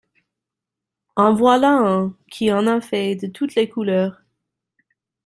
En voilà un qui en a fait de toutes les couleurs…